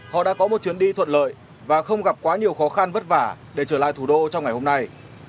họ đã có một chuyến đi thuận lợi và không gặp quá nhiều khó khăn vất vả để trở lại thủ đô trong ngày hôm nay